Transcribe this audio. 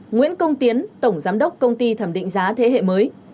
nguyễn công tiến tổng giám đốc công ty thẩm định giá thế hệ mới